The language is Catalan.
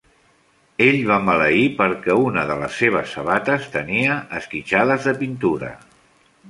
Ell va maleir perquè una de les seves sabates tenia esquitxades de pintura.